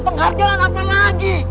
penghargaan apa lagi